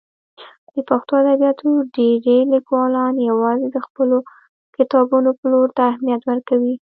د پښتو ادبیاتو ډېری لیکوالان یوازې د خپلو کتابونو پلور ته اهمیت ورکوي.